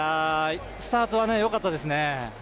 スタートはよかったですね。